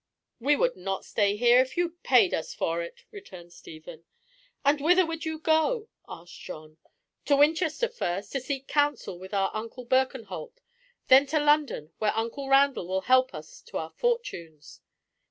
"We would not stay here if you paid us for it," returned Stephen. "And whither would you go?" asked John. "To Winchester first, to seek counsel with our uncle Birkenholt. Then to London, where uncle Randall will help us to our fortunes."